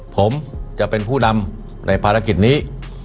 ผมจะเป็นผู้นำในภารกิจนี้